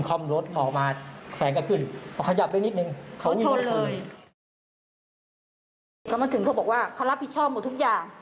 พอมาถึงเขาบอกว่าเขารับผิดชอบหมดทุกอย่าง